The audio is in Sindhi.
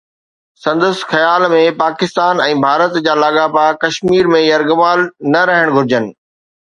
سندس خيال ۾ پاڪستان ۽ ڀارت جا لاڳاپا ڪشمير ۾ يرغمال نه رهڻ گهرجن.